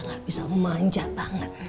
nggak bisa manja banget